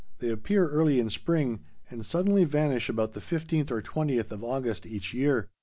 They appear early in spring and suddenly vanish about the 15th or 20th of August each year.